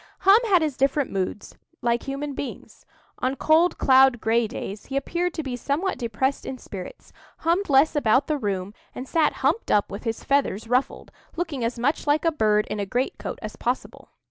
Hum had his different moods, like human beings. On cold, cloudy, gray days he appeared to be somewhat depressed in spirits, hummed less about the room, and sat humped up with his feathers ruffled, looking as much like a bird in a great coat as possible.